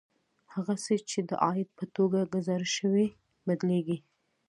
هغه څه چې د عاید په توګه ګزارش شوي بدلېږي